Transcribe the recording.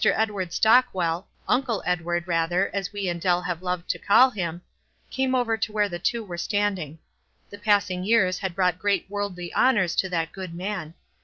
Edward Stockwell — "Uncle Edward," rather, as we and Dell have loved to call him —■ came over to where the two were standing. The passing years had brought great worldly honors to th;it good man.